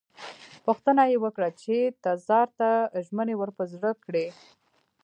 غوښتنه یې وکړه چې تزار ته ژمنې ور په زړه کړي.